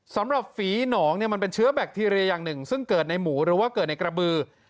สำหรับฝีหนองเนี่ยมันเป็นเชื้อแบคทีเรียอย่างหนึ่งซึ่งเกิดในหมูหรือว่าเกิดในกระบือ